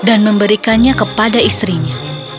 dan memberikannya kepada istrinya